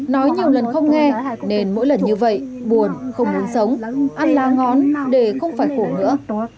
nói nhiều lần không nghe nên mỗi lần như vậy buồn không muốn sống ăn lá ngón để không phải khổ nữa